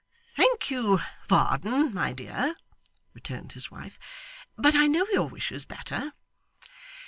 'Thank you, Varden, my dear,' returned his wife; 'but I know your wishes better.